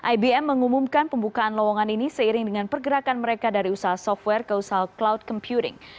ibm mengumumkan pembukaan lowongan ini seiring dengan pergerakan mereka dari usaha software ke usaha cloud computing